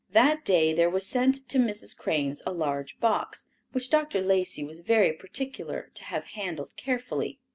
That day there was sent to Mrs. Crane's a large box, which Dr. Lacey was very particular to have handled carefully.